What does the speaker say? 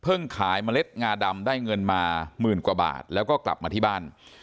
ขายเมล็ดงาดำได้เงินมาหมื่นกว่าบาทแล้วก็กลับมาที่บ้าน